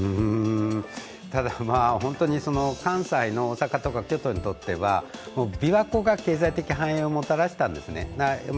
ただ本当に関西の大阪とか京都にとっては琵琶湖が経済的繁栄をもたらしたんですね。